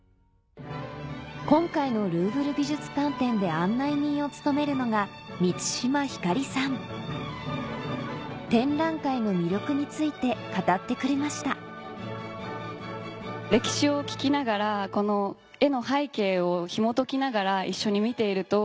今回のルーヴル美術館展で案内人を務めるのがについて語ってくれました歴史を聞きながらこの絵の背景をひもときながら一緒に見ていると。